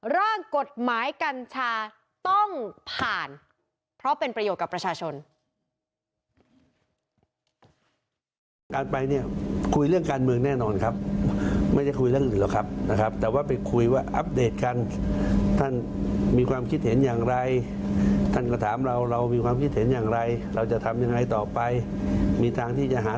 ร่างกฎหมายกัญชาต้องผ่าน